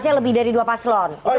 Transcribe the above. saya sepakat dengan adik adik ini